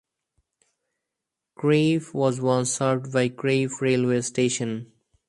Crieff was once served by Crieff railway station.